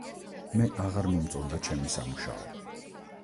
მე აღარ მომწონდა ჩემი სამუშაო.